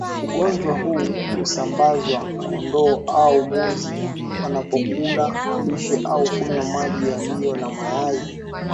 Ugonjwa huu husambazwa kondoo au mbuzi wanapokula lishe au kunywa maji yaliyo na mayai